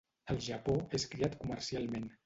Al Japó és criat comercialment.